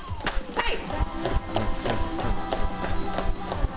はい！